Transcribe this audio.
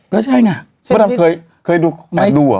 ก็เกิดดู